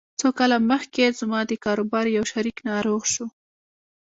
څو کاله مخکې زما د کاروبار يو شريک ناروغ شو.